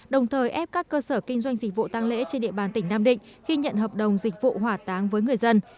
đồng thời ép các cơ sở kinh doanh dịch vụ tăng lễ trên địa bàn tỉnh nam định khi nhận hợp đồng dịch vụ hỏa táng với người dân